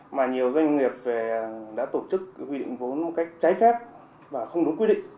mà nhiều doanh nghiệp đã tổ chức huy động vốn một cách trái phép và không đúng quy định